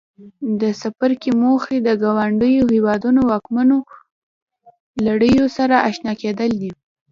د څپرکي موخې د ګاونډیو هېوادونو واکمنو لړیو سره آشنا کېدل دي.